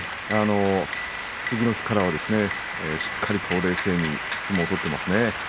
次の日からはですねしっかり冷静に相撲を取っていますね。